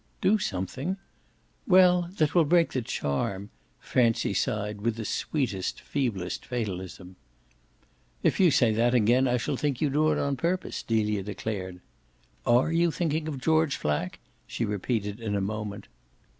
"Do something ?" "Well, that will break the charm," Francie sighed with the sweetest feeblest fatalism. "If you say that again I shall think you do it on purpose!" Delia declared. "ARE you thinking of George Flack?" she repeated in a moment.